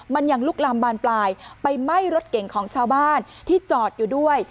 มันยังลุกลามบานปลายไปไหม้รถเก่งของชาวบ้านที่จอดอยู่ด้วย